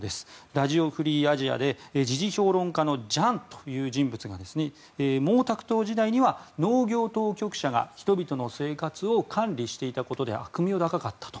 ラジオ・フリー・アジアで時事評論家のジャンという人物が毛沢東時代には農業当局者が人々の生活を管理していたことで悪名高かったと。